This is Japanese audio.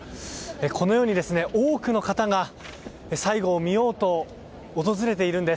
このように多くの方が最後を見ようと訪れているんです。